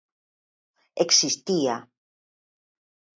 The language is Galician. Existía.